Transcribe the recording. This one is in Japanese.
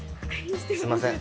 すいません。